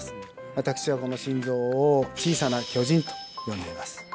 私はこの心臓を小さな巨人と呼んでいます